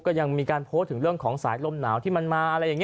ก็ยังมีการโพสถ์ถึงเรื่องของสายร่มหนาวที่มันมา